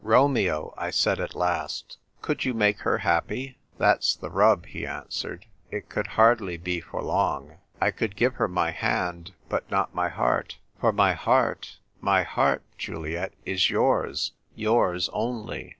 " Romeo," I said at last, " could you make her happy ?"" That's ^.he rub," he answered. " It could hardly be for long. I could give her my hand, but not my heart ; for my heart, my heart, Juliet, is yours — yours only."